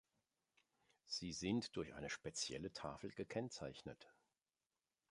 Sie sind durch eine spezielle Tafel gekennzeichnet.